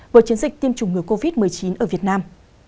với chiến dịch tiêm chủng ngừa covid một mươi chín ở việt nam